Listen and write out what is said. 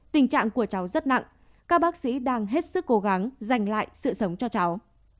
tình trạng của cháu rất nặng các bác sĩ đang hết sức cố gắng dành lại sự sống cho cháu